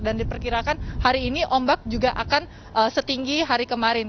dan diperkirakan hari ini ombak juga akan setinggi hari kemarin